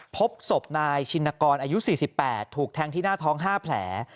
พบศพนายชินกรอายุสี่สิบแปดถูกแทงที่หน้าท้องห้าแผล